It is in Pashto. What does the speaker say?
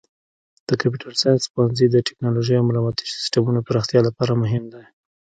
د کمپیوټر ساینس پوهنځی د تکنالوژۍ او معلوماتي سیسټمونو پراختیا لپاره مهم دی.